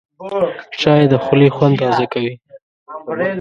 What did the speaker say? چای د خولې خوند تازه کوي